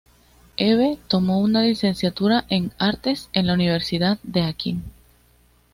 Eve tomó una licenciatura en artes en la Universidad Deakin.